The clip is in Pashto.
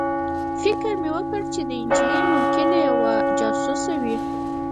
فکر مې وکړ چې دا نجلۍ ممکنه یوه جاسوسه وي